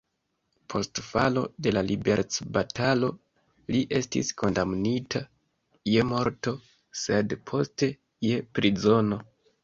Post falo de la liberecbatalo li estis kondamnita je morto, sed poste je prizono.